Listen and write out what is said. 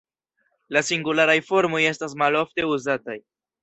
La singularaj formoj estas malofte uzataj.